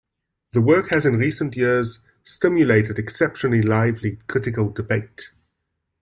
The work has in recent years "stimulated exceptionally lively critical debate".